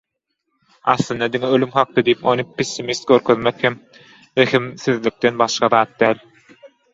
Aslynda diňe ölüm hakda diýip ony pessimist görkezmek hem rehimsizlikden başga zat däl.